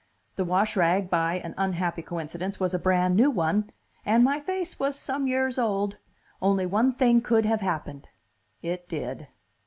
The washrag, by an unhappy coincidence, was a brand new one, and my face was some years old. Only one thing could have happened. It did."